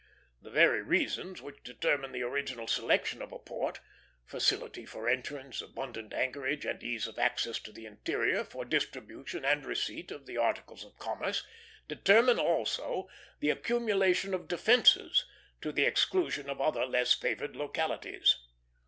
The very reasons which determine the original selection of a port facility for entrance, abundant anchorage, and ease of access to the interior for distribution and receipt of the articles of commerce determine also the accumulation of defences, to the exclusion of other less favored localities.